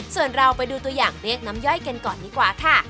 ส่วนเราไปดูตัวอย่างเรียกน้ำย่อยกันก่อนดีกว่าค่ะ